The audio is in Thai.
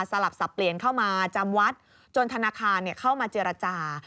สลับสับเปลี่ยนเข้ามาจำวัดจนธนาคารเข้ามาเจรจา